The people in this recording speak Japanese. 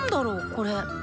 これ。